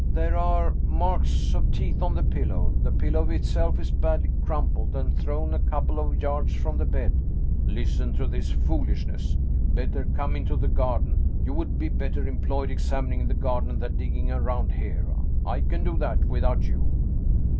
" There are marks of teeth on the pillow. The pillow itself is badly crumpled, and thrown a couple of yards from the bed." " Listen to his foolishness ! Better come into the gar den. You would be better employed examining the garden than digging around here. I can do that without you!"